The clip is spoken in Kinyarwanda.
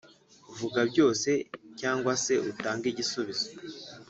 vuga byose cyangwa se utange igisubizo